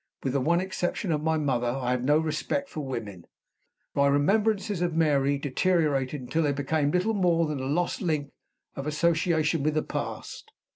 With the one exception of my mother, I had no respect for women. My remembrances of Mary deteriorated until they became little more than a lost link of association with the past.